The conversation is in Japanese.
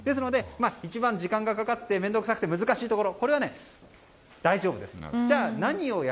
一番時間がかかって面倒くさくて難しいところは大丈夫です。